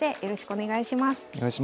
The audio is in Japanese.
お願いします。